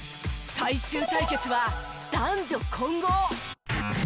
最終対決は男女混合。